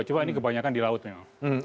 cuma ini kebanyakan di laut memang